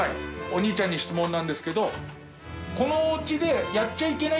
お兄ちゃんに質問なんですけど。